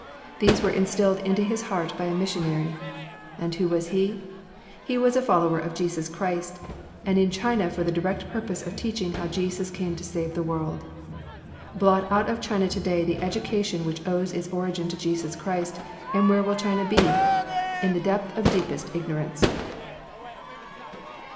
These were instilled into his heart by a missionary, and who was he? He was a follower of Jesus Christ, and in China for the direct purpose of teaching how Jesus came to save the world.... Blot out of China today the education which owes its origin to Jesus Christ, and where will China be? In the depth of deepest ignorance."